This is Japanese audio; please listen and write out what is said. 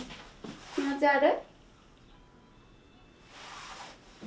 気持ち悪い？